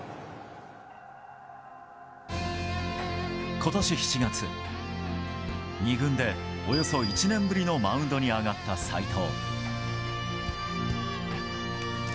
今年７月、２軍でおよそ１年ぶりのマウンドに上がった斎藤。